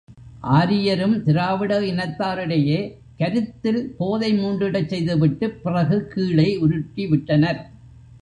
ஆரியரும், திராவிட இனத்தாரிடையே கருத்தில் போதை மூண்டிடச் செய்து விட்டுப் பிறகு கீழே உருட்டிவிட்டனர்.